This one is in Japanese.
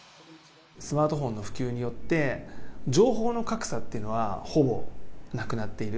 スマートフォンの普及によって、情報の格差っていうのは、ほぼなくなっている。